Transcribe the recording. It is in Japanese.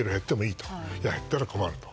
いや、減ったら困ると。